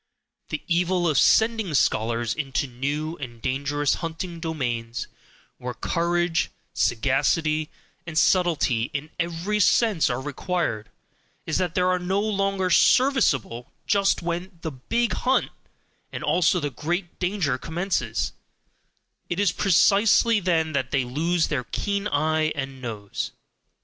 The evil of sending scholars into new and dangerous hunting domains, where courage, sagacity, and subtlety in every sense are required, is that they are no longer serviceable just when the "BIG hunt," and also the great danger commences, it is precisely then that they lose their keen eye and nose.